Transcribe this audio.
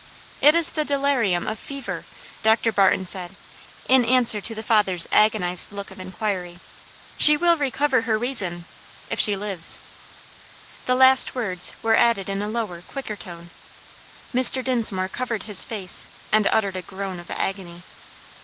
"It is the delirium of fever," Dr. Barton said, in answer to the father's agonized look of inquiry; "she will recover her reason if she lives." The last words were added in a lower, quicker tone. Mr. Dinsmore covered his face, and uttered a groan of agony.